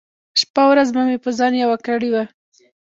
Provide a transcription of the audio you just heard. شپه ورځ به مې په ځان يوه کړې وه .